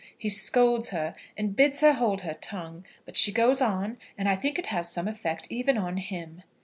He scolds her, and bids her hold her tongue; but she goes on, and I think it has some effect even on him.